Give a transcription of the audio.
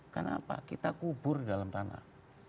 karena apa kita kubur dalam tanah